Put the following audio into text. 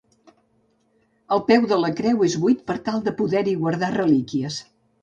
El peu de la creu és buit per tal de poder-hi guardar relíquies.